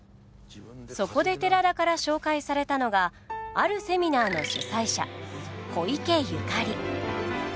そこで寺田から紹介されたのがあるセミナーの主宰者小池ゆかり。